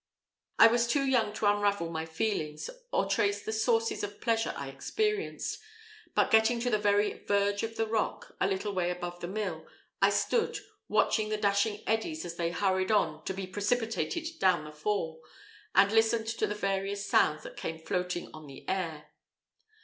I was too young to unravel my feelings, or trace the sources of the pleasure I experienced; but getting to the very verge of the rock, a little way above the mill, I stood, watching the dashing eddies as they hurried on to be precipitated down the fall, and listening to the various sounds that came floating on the air.